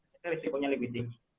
jadi risikonya lebih tinggi